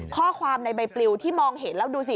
ข้อความในใบปลิวที่มองเห็นแล้วดูสิ